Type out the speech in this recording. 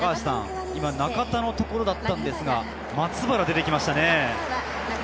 中田のところだったのですが、松原が出てきましたね。